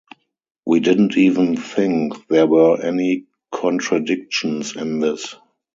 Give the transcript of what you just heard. We didn’t even think there were any contradictions in this.